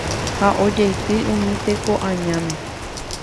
ha ojeity umi tekoañáme